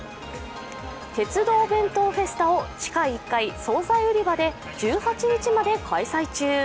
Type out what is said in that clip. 鉄道弁当フェスタを地下１階総菜売り場で１８日まで開催中。